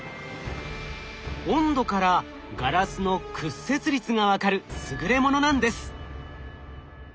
温度からガラスの屈折率が分かる優れものなんです。